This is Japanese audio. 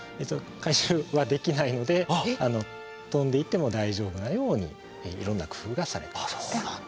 回収はできないので飛んでいっても大丈夫なようにいろんな工夫がされています。